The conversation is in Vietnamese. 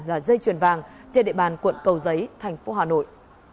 và dây chuyền vàng trên địa bàn quận cầu giấy thành phố hà nội